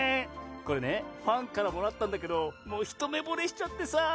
これねファンからもらったんだけどもうひとめぼれしちゃってさぁ！